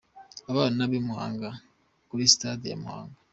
Abana b'i Muhanga kuri sitade ya Muhanga .